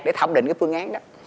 để thẩm định cái phương án đó